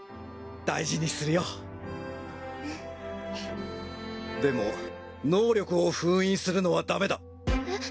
大事にするよんっでも能力を封印するのはダメだえっ？